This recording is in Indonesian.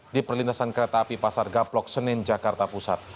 di perlintasan kereta api pasar gaplok senen jakarta pusat